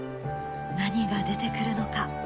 何が出てくるのか？